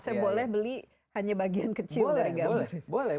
saya boleh beli hanya bagian kecil dari gambar